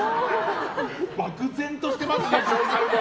漠然としてますね。